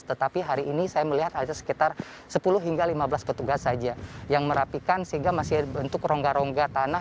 tetapi hari ini saya melihat ada sekitar sepuluh hingga lima belas petugas saja yang merapikan sehingga masih bentuk rongga rongga tanah